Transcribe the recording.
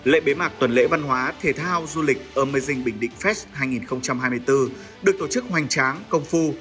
lệ bế mạc tuần lễ văn hóa thể thao du lịch amazing bình định fest hai nghìn hai mươi bốn được tổ chức hoành tráng công phu